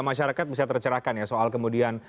masyarakat bisa tercerahkan ya soal kemudian